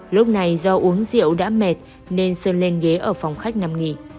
lúc này do uống rượu đã mệt nên sơn lên ghế ở phòng khách nằm nghỉ